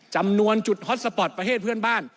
จำนวนจุดฮอตสปอร์ตประเทศเพื่อนบ้าน